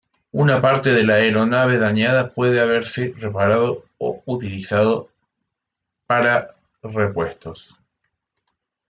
Una parte de la aeronave dañada puede haberse reparado o utilizado para repuestos.